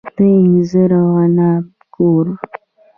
د انځر او عناب کور.